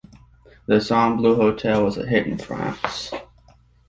The song "Blue Hotel" was a hit in France.